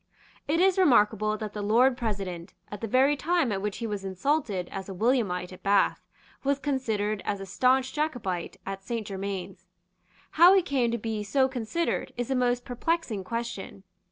It is remarkable that the Lord President, at the very time at which he was insulted as a Williamite at Bath, was considered as a stanch Jacobite at Saint Germains. How he came to be so considered is a most perplexing question.